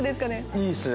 いいですね